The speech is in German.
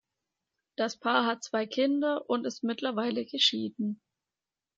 Das Paar hat zwei Kinder und ist mittlerweile geschieden.